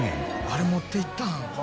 「あれ持っていったん？」